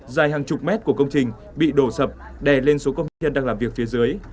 dài hàng chục mét của công trình bị đổ sập đè lên số các nạn nhân đang làm việc phía dưới